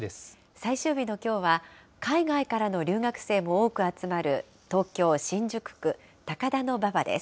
最終日のきょうは、海外からの留学生も多く集まる東京・新宿区高田馬場です。